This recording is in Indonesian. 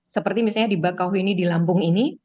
seperti misalnya di bakauheni di lampung ini